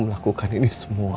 melakukan ini semua